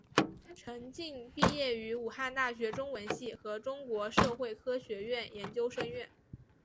陈晋毕业于武汉大学中文系和中国社会科学院研究生院。